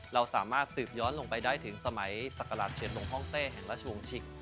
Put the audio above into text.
เราสามารถสืบย้อนลงไปได้ถึงสมัยศักราชเชียนวงฮ่องเต้แห่งราชวงชิก